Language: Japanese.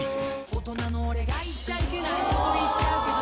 大人の俺が言っちゃいけない事言っちゃうけど